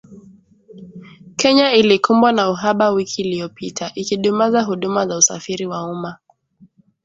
Kenya ilikumbwa na uhaba wiki iliyopita ikidumaza huduma za usafiri wa umma